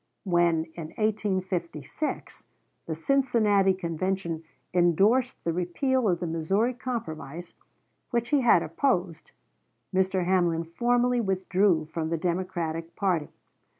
When in 1856 the Cincinnati Convention indorsed the repeal of the Missouri Compromise, which he had opposed, Mr. Hamlin formally withdrew from the Democratic party.